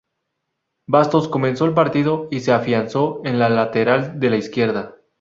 Bastos comenzó el partido y se afianzó en la lateral de la izquierda.